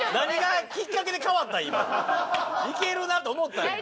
いけるなと思ったん？